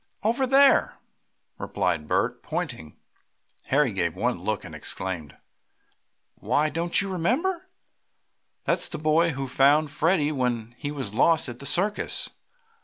"Over there," replied Bert, pointing. Harry gave one look, and exclaimed: "Why, don't you remember? That's the boy who found Freddie when he was lost at the circus!"